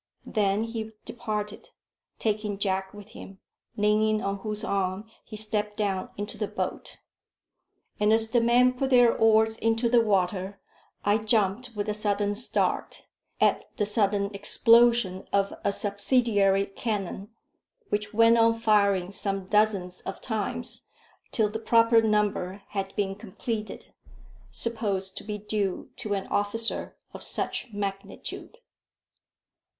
Then he departed, taking Jack with him, leaning on whose arm he stepped down into the boat; and as the men put their oars into the water, I jumped with a sudden start at the sudden explosion of a subsidiary cannon, which went on firing some dozens of times till the proper number had been completed supposed to be due to an officer of such magnitude.